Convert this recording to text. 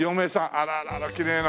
あらあらあらきれいな。